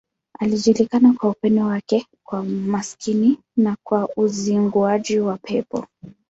Alijulikana kwa upendo wake kwa maskini na kwa uzinguaji wa pepo.